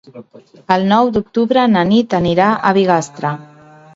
El nou d'octubre na Nit anirà a Bigastre.